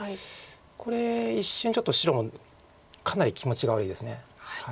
これ一瞬ちょっと白もかなり気持ちが悪いです。